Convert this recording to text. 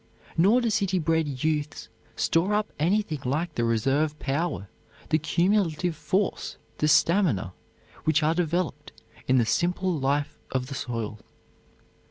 Nor do city bred youths store up anything like the reserve power, the cumulative force, the stamina, which are developed in the simple life of the soil.